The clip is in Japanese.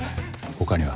他には？